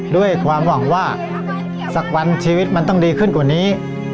ด้วยความหวังว่าสักวันชีวิตมันต้องดีขึ้นกว่านี้